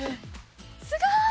すごーい！